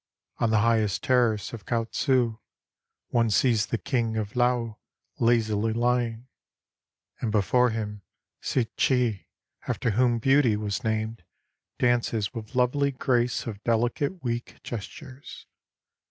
On the highest terrace of KoU'Sou one sees the King of Lou lazily lying. And before him Sy'Che, after whom beauty was named, dances with lovely grace of delicate weak gestures.